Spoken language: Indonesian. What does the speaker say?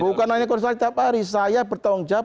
bukan hanya konsultasi tiap hari saya bertanggung jawab